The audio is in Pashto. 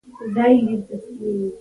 چاکلېټ د سترګو خوښي ده.